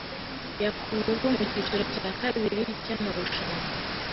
yakuweho mu cyiciro cya kabiri cy'amarushanwa.